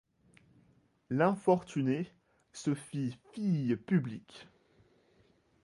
L'infortunée se fit fille publique.